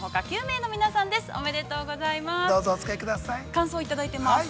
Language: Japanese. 感想をいただいています。